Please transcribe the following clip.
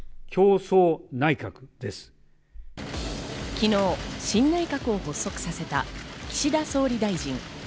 昨日、新内閣を発足させた岸田総理大臣。